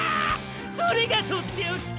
それがとっておきか！